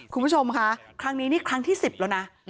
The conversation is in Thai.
คุณผู้ชมคะครั้งนี้นี่ครั้งที่๑๐แล้วนะ